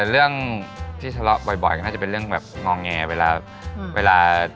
เรื่องที่ทะเลาะบ่อยก็น่าจะเป็นเรื่องแบบงอแงเวลาเวลา